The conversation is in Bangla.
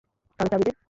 তাহলে চাবি দে।